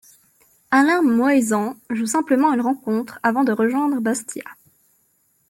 Alain Moizan joue simplement une rencontre avant de rejoindre Bastia.